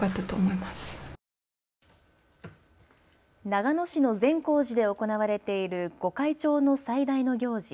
長野市の善光寺で行われている御開帳の最大の行事